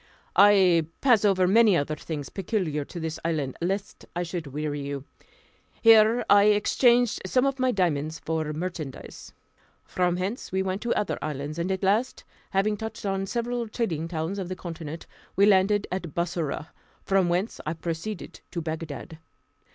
I pass over many other things peculiar to this island, lest I should weary you. Here I exchanged some of my diamonds for merchandise. From hence we went to other islands, and at last, having touched at several trading towns of the continent, we landed at Bussorah, from whence I proceeded to Bagdad.